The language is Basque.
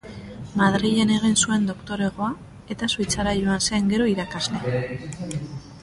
Madrilen egin zuen doktoregoa, eta Suitzara joan zen gero irakasle.